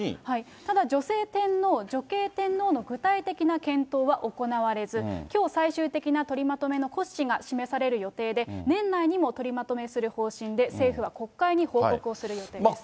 ただ、女性天皇、女系天皇の具体的な検討は行われず、きょう最終的な取りまとめの骨子が示される予定で、年内にも取りまとめする方針で、政府は国会に報告をする予定です。